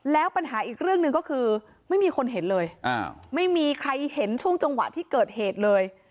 แล้วปัญหาอีกเรื่องหนึ่งก็คือไม่มีคนเห็นเลยไม่มีใครเห็นช่วงจังหวะที่เกิดเหตุเลย